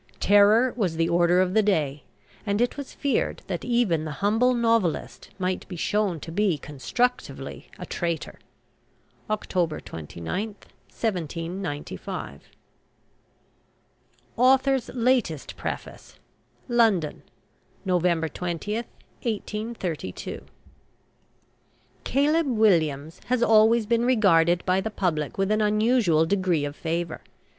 Terror was the order of the day; and it was feared that even the humble novelist might be shown to be constructively a traitor. October 29, 1795. AUTHOR'S LATEST PREFACE. LONDON, November 20, 1832. "CALEB WILLIAMS" has always been regarded by the public with an unusual degree of favour.